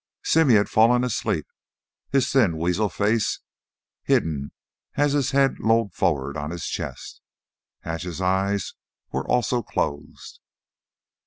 Simmy had fallen asleep, his thin, weasel face hidden as his head lolled forward on his chest. Hatch's eyes were also closed.